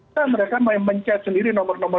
nah mereka mencet sendiri nomor nomor